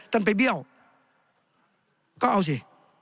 ท่านไปเบี้ยวก็เอาสิ